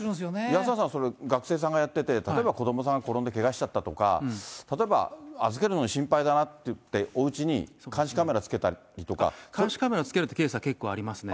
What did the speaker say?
安田さん、それ、学生さんがやってて、例えば子どもさんが転んでけがしちゃったとか、例えば預けるのに心配だなっていって、監視カメラ付けるってケースは結構ありますね。